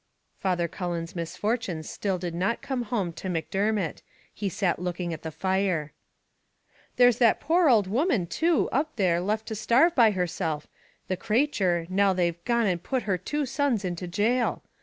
Father Cullen's misfortunes still did not come home to Macdermot; he sat looking at the fire. "There's that poor ould woman, too, up there, left to starve by herself, the crature, now they've gone and put her two sons into gaol.